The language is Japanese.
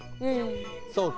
そうか。